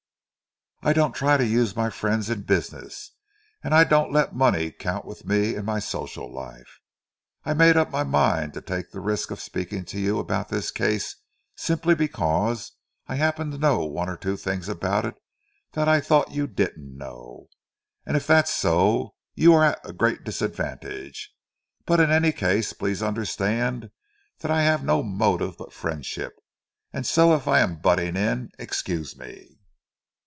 I don't try to use my friends in business, and I don't let money count with me in my social life. I made up my mind to take the risk of speaking to you about this case, simply because I happen to know one or two things about it that I thought you didn't know. And if that's so, you are at a great disadvantage; but in any case, please understand that I have no motive but friendship, and so if I am butting in, excuse me."